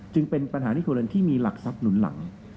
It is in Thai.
จึงเป็นปัญหาที่ครัวเรือนที่มีหลักทรัพย์หนุนหลัง